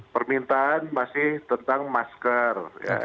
permintaan masih tentang masker